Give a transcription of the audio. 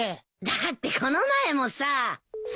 だってこの前もさ。